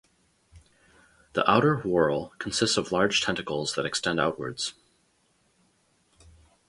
The outer whorl consists of large tentacles that extend outwards.